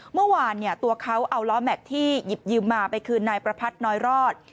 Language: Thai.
เมื่อวานตัวเขาเอาล้อแม็กซ์ที่หยิบยืมมาไปคืนนายประพัทธน้อยรอด